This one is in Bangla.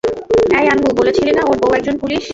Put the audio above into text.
এই আনবু, বলেছিলি না ওর বউ একজন পুলিশ?